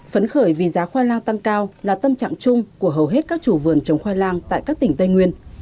phấn khởi vì giá khoai lang tăng cao là tâm trạng chung của hầu hết các chủ vườn trồng khoai lang tại các tỉnh tây nguyên